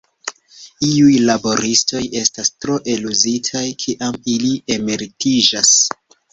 Iuj laboristoj estas tro eluzitaj kiam ili emeritiĝas.